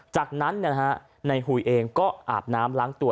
จากนั้นในหุยเองก็อาบน้ำล้างตัว